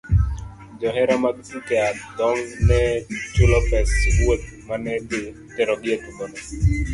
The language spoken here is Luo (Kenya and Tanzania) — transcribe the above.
Johera mag tuke adhong' ne chulo pes wuoth ma ne dhi terogi e tugono.